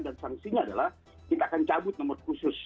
dan sanksinya adalah kita akan cabut nomor khusus